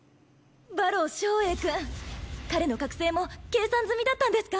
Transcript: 馬狼照英くん彼の覚醒も計算済みだったんですか？